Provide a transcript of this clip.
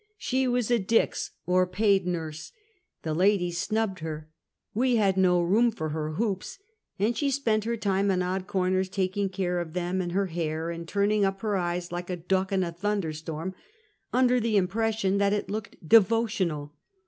She was a Dix, or paid nurse. The ladies snubbed her; we had no room for her hoops; and she spent her time in odd corners, taking care of them and her hair, and turning up her eyes, like a duck in a thunder storm, under the impression that it looked devotional.